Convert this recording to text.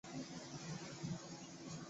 明末清初山西阳曲人。